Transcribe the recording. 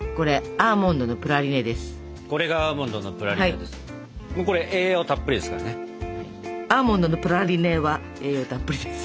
アーモンドのプラリネは栄養たっぷりです。